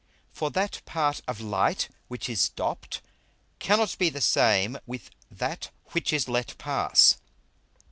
For that part of Light which is stopp'd cannot be the same with that which is let pass.